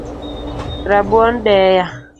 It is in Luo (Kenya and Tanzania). Rabuon deya